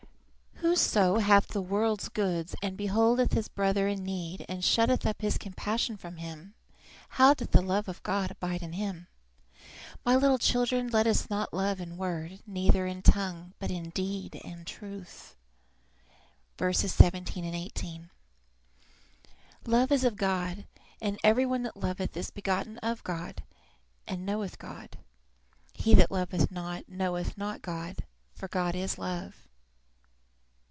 "Whoso hath the world's goods, and beholdeth his brother in need, and shutteth up his compassion from him, how doth the love of God abide in him? My little children, let us not love in word, neither with the tongue; but in deed and truth." iii. 17 18. "Love is of God; and every one that loveth is begotten of God, and knoweth God. He that loveth not knoweth not God; for God is love."